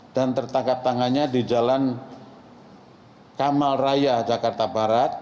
dan tertangkap tangannya di jalan kamal raya jakarta